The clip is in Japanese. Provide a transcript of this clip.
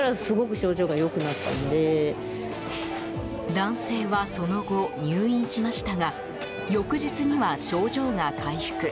男性はその後、入院しましたが翌日には症状が回復。